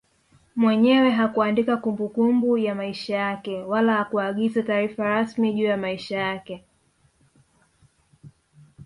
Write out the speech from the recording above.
Mwenyewe hakuandika kumbukumbu ya maisha yake wala hakuagiza taarifa rasmi juu ya maisha yake